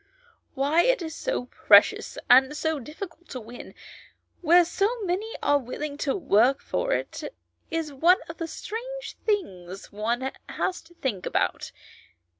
Why it is so precious and so difficult to win, where so many are willing to work for it, is one of the strange things one has to think about.